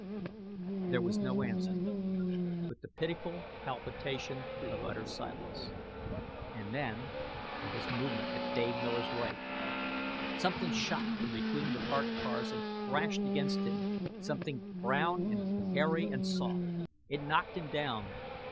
There was no answer but the pitiful palpitation of utter silence. And then, there was movement at Dave Miller's right! Something shot from between the parked cars and crashed against him; something brown and hairy and soft. It knocked him down.